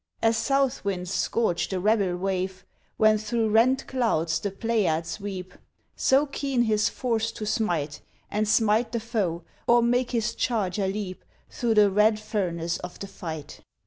As south winds scourge the rebel wave When through rent clouds the Pleiads weep, So keen his force to smite, and smite The foe, or make his charger leap Through the red furnace of the fight.